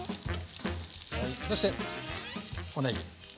そしておねぎ。